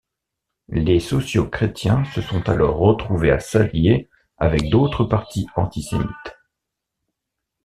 Les sociaux-chrétiens se sont alors retrouvés à s'allier avec d'autres partis antisémites.